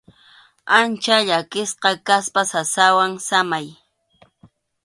Ancha llakisqa kaspa sasawan samay.